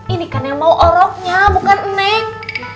ini kan yang mau oroknya bukan neng